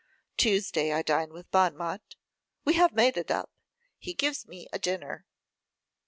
Tuesday I dine with Bonmot; we have made it up; he gives me a dinner.